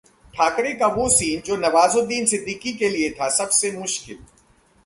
ठाकरे का वो सीन जो नवाजुद्दीन सिद्दीकी के लिए था सबसे मुश्किल